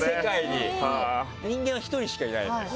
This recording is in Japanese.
人間は１人しかいないんだよ。